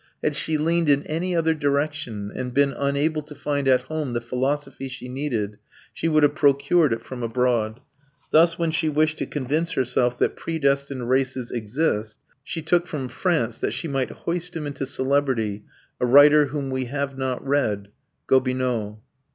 Had she leaned in any other direction and been unable to find at home the philosophy she needed, she would have procured it from abroad. Thus when she wished to convince herself that predestined races exist, she took from France, that she might hoist him into celebrity, a writer whom we have not read Gobineau.